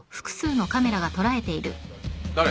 誰？